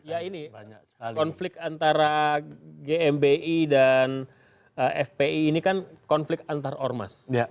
ya ini konflik antara gmbi dan fpi ini kan konflik antar ormas